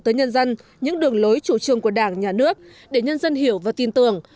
tới nhân dân những đường lối chủ trương của đảng nhà nước để nhân dân hiểu và tin tưởng